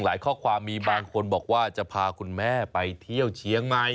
ข้อความมีบางคนบอกว่าจะพาคุณแม่ไปเที่ยวเชียงใหม่